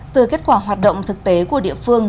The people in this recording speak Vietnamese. từ kết quả hoạt động thực tế của địa phương